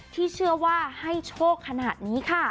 ที่เชื่อว่าให้โชคขนาดนี้ค่ะ